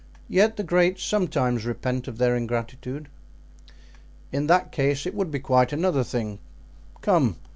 "Yet the great sometimes repent of their ingratitude." "In that case it would be quite another thing. Come!